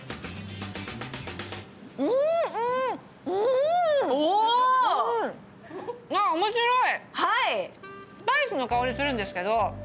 うん、うん、あ、面白い。